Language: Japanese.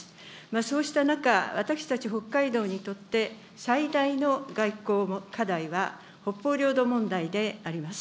そうした中、私たち北海道にとって、最大の外交課題は、北方領土問題であります。